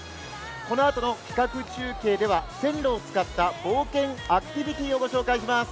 このあとの企画中継では線路を使った冒険アクティビティーをご紹介します。